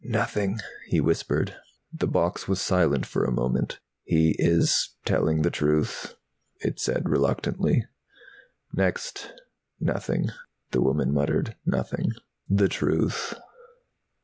"Nothing," he whispered. The box was silent for a moment. "He is telling the truth," it said reluctantly. "Next!" "Nothing," the woman muttered. "Nothing." "The truth."